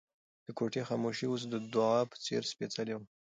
د کوټې خاموشي اوس د دعا په څېر سپېڅلې وه.